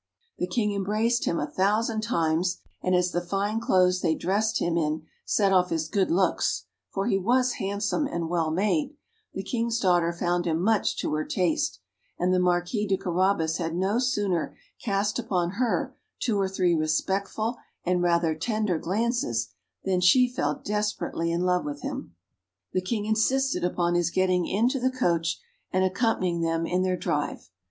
The King embraced him a thousand times, and as the fine clothes they dressed him in set off his good looks (for he was handsome and well made), the King's daughter found him much to her taste; and the Marquis de Carabas had no sooner cast upon her two or three respectful and rather tender glances, than she fell desperately in love with him. The King insisted upon his getting into the coach, and accompanying them in their drive.